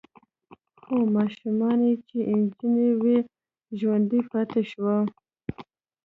خو ماشوم يې چې نجلې وه ژوندۍ پاتې شوه.